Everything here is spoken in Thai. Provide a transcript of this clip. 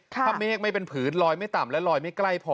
ถ้าเมฆไม่เป็นผืนลอยไม่ต่ำและลอยไม่ใกล้พอ